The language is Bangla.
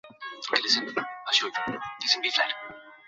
আমি জামানতের জন্য দাবিকৃত লোকের সংখ্যা বলিনি।